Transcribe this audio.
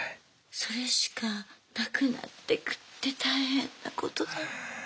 それしかなくなってくって大変なことだ。